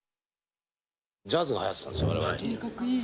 ジャズがはやってたんですよ、かっこいい。